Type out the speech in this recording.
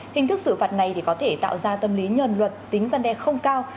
hình thức xử phạt này có thể tạo ra tâm lý nhờn luật tính gian đe không cao